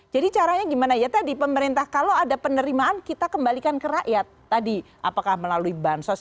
jadi caranya gimana ya tadi pemerintah kalau ada penerimaan kita kembalikan ke rakyat tadi apakah melalui bansos